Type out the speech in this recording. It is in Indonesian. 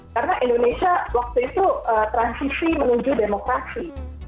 karena indonesia waktu itu transisi menuju demokrasi